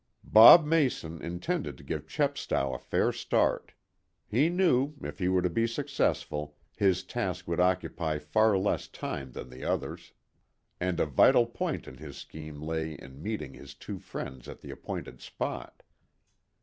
Bob Mason intended to give Chepstow a fair start. He knew, if he were to be successful, his task would occupy far less time than the other's. And a vital point in his scheme lay in meeting his two friends at the appointed spot.